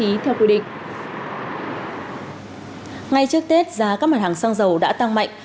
ngay trước tết giá các mặt hàng xăng dầu đã tăng mạnh